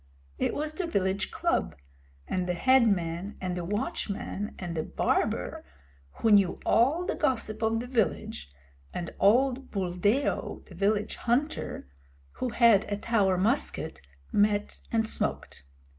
It was the village club, and the head man and the watchman and the barber, who knew all the gossip of the village, and old Buldeo, the village hunter, who had a Tower musket, met and smoked.